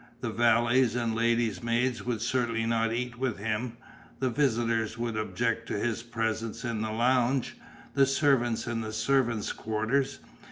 The valets and ladies' maids would certainly not eat with him, the visitors would object to his presence in the lounge, the servants in the servants' quarters.